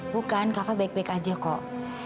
bukan kava baik baik saja kok